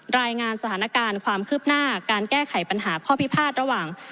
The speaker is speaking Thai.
รายงานสถานการณ์ความคืบหน้าการแก้ไขปัญหาข้อพิพาทระหว่าง